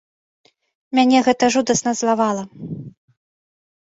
Мяне гэта жудасна злавала.